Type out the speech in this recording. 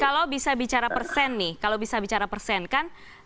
kalau bisa bicara persen nih kalau bisa bicara persen kan